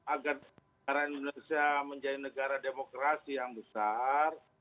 agar negara indonesia menjadi negara demokrasi yang besar